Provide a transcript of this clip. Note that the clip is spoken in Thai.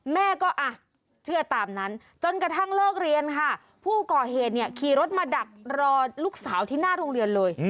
แม่ก็อ่ะเชื่อตามนั้นจนกระทั่งเลิกเรียนค่ะผู้ก่อเหตุเนี่ยขี่รถมาดักรอลูกสาวที่หน้าโรงเรียนเลย